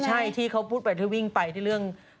ใช่ที่เขาวิ่งไปที่เรื่อง